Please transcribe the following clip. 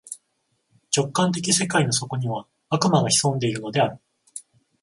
直観的世界の底には、悪魔が潜んでいるのである。